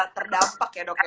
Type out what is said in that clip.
terdampak ya dok ya